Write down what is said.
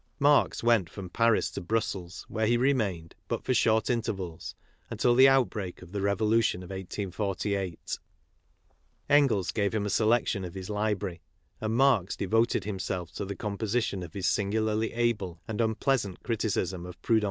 Marx went from Paris to Brussels, where he remained, but for short intervals, until the outbreak of the I'evolution of 1848. Engels gave him a selection of his library and ' Marx devoted himself to the composition of his singu larly able and unpl easant criticism of Proudhon.